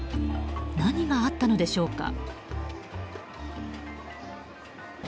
何があったのでしょうか。